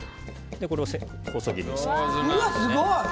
これを細切りにします。